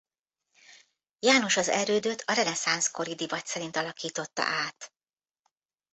János az erődöt a reneszánsz kori divat szerint alakította át.